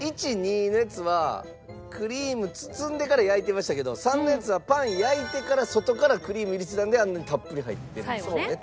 １２のやつはクリーム包んでから焼いてましたけど３のやつはパン焼いてから外からクリーム入れてたんであんなにたっぷり入ってるんでしょうね